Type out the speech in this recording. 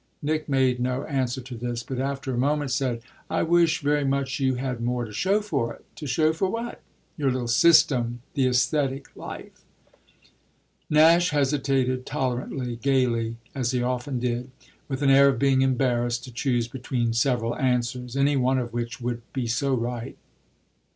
Nick made no answer to this, but after a moment said: "I wish very much you had more to show for it." "To show for what?" "Your little system the æsthetic life." Nash hesitated, tolerantly, gaily, as he often did, with an air of being embarrassed to choose between several answers, any one of which would be so right.